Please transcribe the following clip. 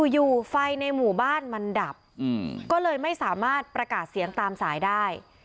อยู่ไฟในหมู่บ้านมันดับก็เลยไม่สามารถประกาศเสียงตามสายได้